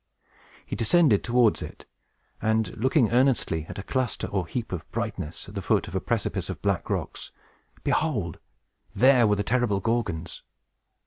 He descended towards it, and, looking earnestly at a cluster or heap of brightness, at the foot of a precipice of black rocks, behold, there were the terrible Gorgons!